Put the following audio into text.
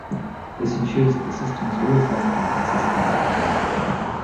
This ensures that the system is always left in a consistent state.